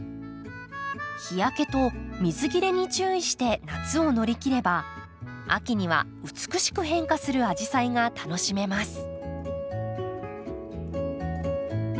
日焼けと水切れに注意して夏を乗り切れば秋には美しく変化するアジサイが楽しめます。